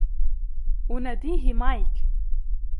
أناديه مايك.